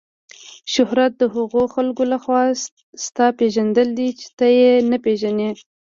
شهرت د هغو خلکو له خوا ستا پیژندل دي چې ته یې نه پیژنې.